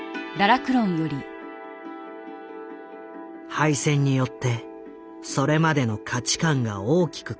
敗戦によってそれまでの価値観が大きく変わった時代。